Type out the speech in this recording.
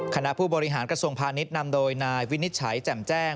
คณะผู้บริหารกระทรวงพาณิชย์นำโดยนายวินิจฉัยแจ่มแจ้ง